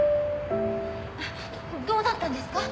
あっどうだったんですか？